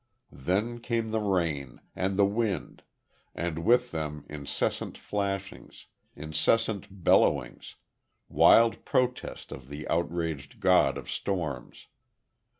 Then came the rain, and the wind, and with them incessant flashings, incessant bellowings, wild protests of the outraged God of storms.